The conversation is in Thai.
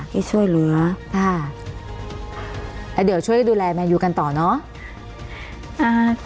ให้ช่วยเหลือค่ะแล้วเดี๋ยวช่วยดูแลแมนยูกันต่อเนอะ